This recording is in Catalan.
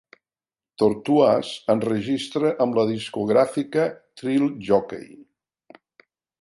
Tortoise enregistra amb la discogràfica Thrill Jockey.